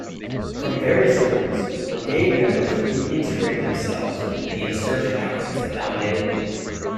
From various reports, Brigade members re-integrated themselves into the insurgent outfits that dominated.